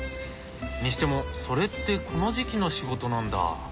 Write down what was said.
にしてもそれってこの時期の仕事なんだ。